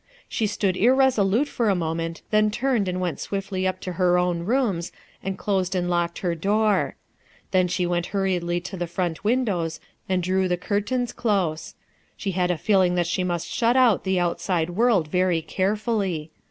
She stood irresolute /or a moment, then turned and went swiftly up to her own rooms and closed and locked her door. Then she went hurriedly to the front windows and drew the curtains close J she had a feeling that she must shut out the outside world very carefully.